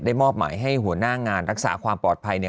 มอบหมายให้หัวหน้างานรักษาความปลอดภัยเนี่ย